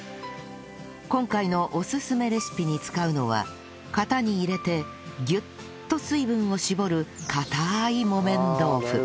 今回のおすすめレシピに使うのは型に入れてギュッと水分を絞るかたい木綿豆腐